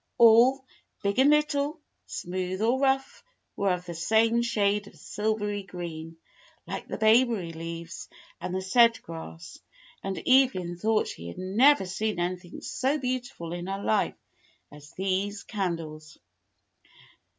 All, big and little, smooth or rough, were of the same shade of silvery green, like the bayberry leaves and the sedge grass; and Evelyn thought she had never seen any thing so beautiful in her life as these candles.